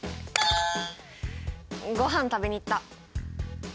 ごはん食べに行った！